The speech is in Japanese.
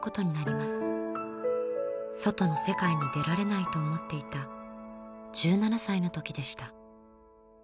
外の世界に出られないと思っていた１７歳の時でした。